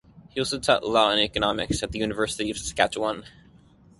He also taught law and economics at the University of Saskatchewan.